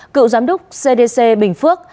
cựu giám đốc cdc bình phước